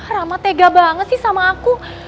rama tega banget sih sama aku